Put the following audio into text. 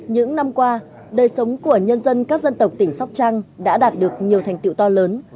những năm qua đời sống của nhân dân các dân tộc tỉnh sóc trăng đã đạt được nhiều thành tiệu to lớn